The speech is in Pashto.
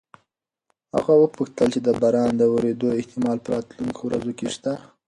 هغه وپوښتل چې د باران د ورېدو احتمال په راتلونکو ورځو کې شته؟